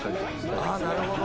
ああなるほど！